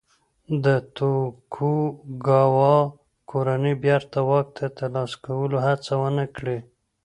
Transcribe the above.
د توکوګاوا کورنۍ بېرته واک ترلاسه کولو هڅه ونه کړي.